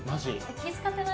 気ぃ使ってない？